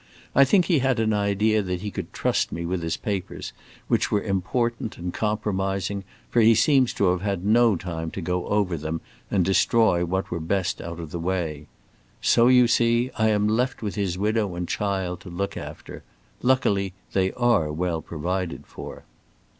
I think he had an idea that he could trust me with his papers, which were important and compromising, for he seems to have had no time to go over them and destroy what were best out of the way. So, you see, I am left with his widow and child to look after. Luckily, they are well provided for."